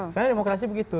karena demokrasi begitu